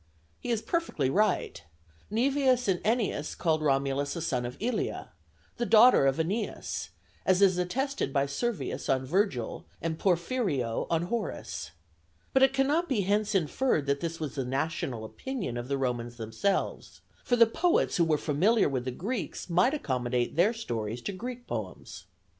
He is perfectly right: Nævius and Ennius called Romulus a son of Ilia, the daughter of Æneas, as is attested by Servius on Vergil and Porphyrio on Horace; but it cannot be hence inferred that this was the national opinion of the Romans themselves, for the poets who were familiar with the Greeks might accommodate their stories to Greek poems.